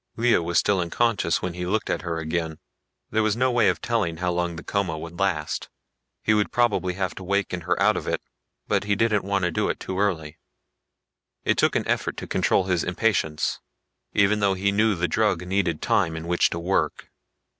Lea was still unconscious when he looked at her again. There was no way of telling how long the coma would last. He would probably have to waken her out of it, but he didn't want to do it too early. It took an effort to control his impatience, even though he knew the drug needed time in which to work.